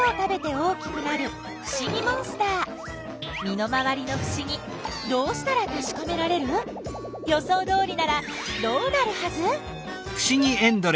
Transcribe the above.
身の回りのふしぎどうしたらたしかめられる？予想どおりならどうなるはず？